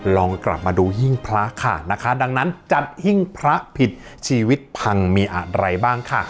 ลองกลับมาดูหิ้งพระค่ะนะคะดังนั้นจัดหิ้งพระผิดชีวิตพังมีอะไรบ้างค่ะ